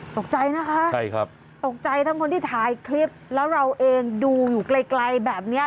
ตกใจนะคะใช่ครับตกใจทั้งคนที่ถ่ายคลิปแล้วเราเองดูอยู่ไกลแบบนี้